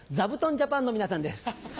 ジャパンの皆さんです。